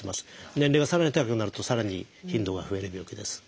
年齢がさらに高くなるとさらに頻度が増える病気です。